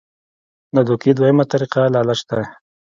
د دوکې دویمه طريقه لالچ دے -